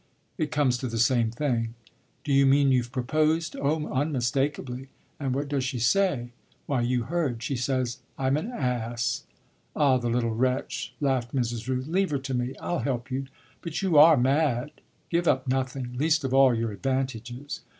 "It comes to the same thing." "Do you mean you've proposed?" "Oh unmistakably." "And what does she say?" "Why you heard: she says I'm an ass." "Ah the little wretch!" laughed Mrs. Rooth. "Leave her to me. I'll help you. But you are mad. Give up nothing least of all your advantages."